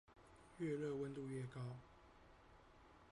愈熱溫度愈高